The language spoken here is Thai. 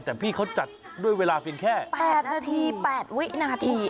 แต่พี่เขาจัดด้วยเวลาเพียงแค่๘นาที๘วินาที